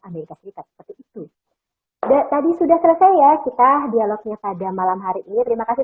amerika serikat seperti itu ada tadi sudah selesai ya kita dialognya pada malam hari ini terima kasih